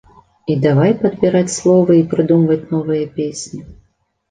І давай падбіраць словы і прыдумваць новыя песні.